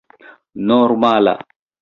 normala